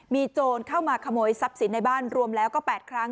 มีโจรเข้ามาขโมยทรัพย์สินในบ้านรวมแล้วก็๘ครั้ง